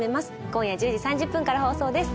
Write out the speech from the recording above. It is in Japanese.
今夜１０時３０分から放送です